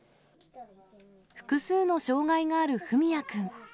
複数の障害がある文也君。